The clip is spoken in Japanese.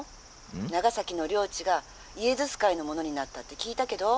長崎の領地がイエズス会のものになったって聞いたけど？」。